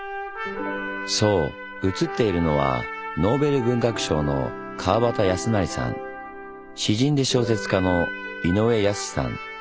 そう写っているのはノーベル文学賞の川端康成さん詩人で小説家の井上靖さん